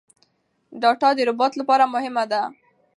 ډاټا د روباټ لپاره مهمه ده.